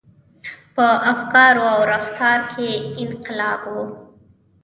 • په افکارو او رفتار کې انقلاب و.